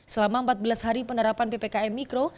selama empat belas hari penerapan ppkm mikro